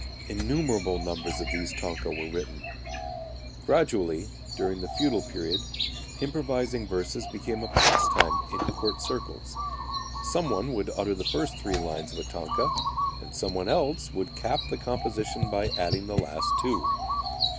Innumerable numbers of these tanka were written. Gradually, during the feudal period, improvising verses became a pastime in court circles. Some one would utter the first three lines of a tanka and some one else would cap the composition by adding the last two.